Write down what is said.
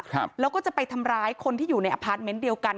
ครับแล้วก็จะไปทำร้ายคนที่อยู่ในอพาร์ทเมนต์เดียวกัน